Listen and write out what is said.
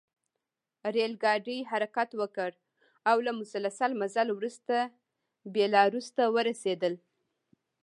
ریل ګاډي حرکت وکړ او له مسلسل مزل وروسته بیلاروس ته ورسېدل